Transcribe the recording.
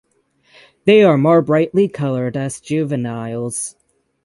They are more brightly colored as juveniles.